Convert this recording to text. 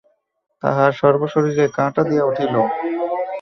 তাঁহার সর্বশরীরে কাঁটা দিয়া উঠিল।